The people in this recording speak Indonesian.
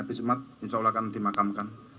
insya allah akan dimakamkan